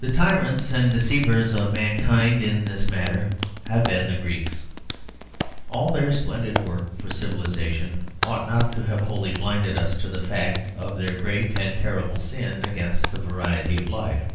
The tyrants and deceivers of mankind in this matter have been the Greeks. All their splendid work for civilization ought not to have wholly blinded us to the fact of their great and terrible sin against the variety of life.